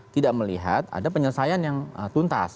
tidak melihat ada penyelesaian yang tuntas